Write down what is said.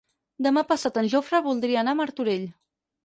Demà passat en Jofre voldria anar a Martorell.